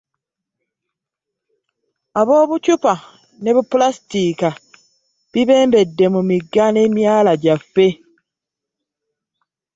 “Obucupa ne Pulaasitiika bibembedde ku migga n'emyala gyaffe"